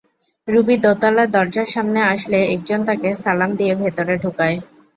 Ruby দোতলার দরজার সামনে আসলে একজন তাঁকে সালাম দিয়ে ভেতরে ঢোকায়।